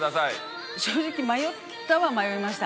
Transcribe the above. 正直迷ったは迷いました。